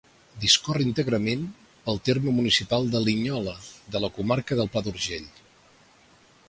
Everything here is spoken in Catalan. Discorre íntegrament pel terme municipal de Linyola, de la comarca del Pla d'Urgell.